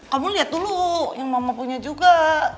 kamu lihat dulu yang mama punya juga